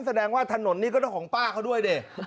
แสดงว่าถนนนี้ก็ต้องของป้าเขาด้วยดิ